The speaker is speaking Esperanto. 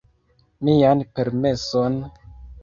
Mian permeson?